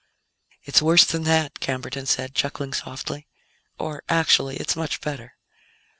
"It's worse than that," Camberton said, chuckling softly. "Or, actually, it's much better."